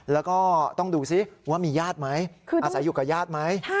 แล้วก็ต้องดูซิว่ามีญาติไหมอาศัยอยู่กับญาติไหม